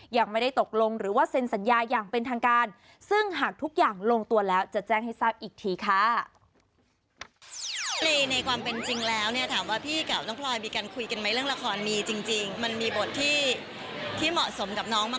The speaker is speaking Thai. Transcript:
ยังไม่ได้ตกลงหรือว่าเซ็นสัญญาอย่างเป็นทางการซึ่งหากทุกอย่างลงตัวแล้วจะแจ้งให้ทราบอีกทีค่ะ